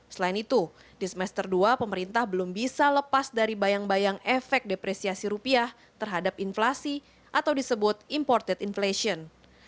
selain itu di semester dua pemerintah belum bisa lepas dari bayang bayang efek depresiasi rupiah terhadap inflasi atau disebut imported inflation